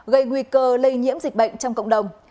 gây nguy cơ lây nhiễm dịch bệnh trong cộng đồng